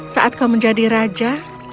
saat kau menjadi raja